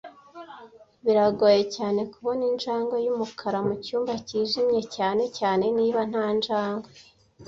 Biragoye cyane kubona injangwe yumukara mucyumba cyijimye, cyane cyane niba nta njangwe.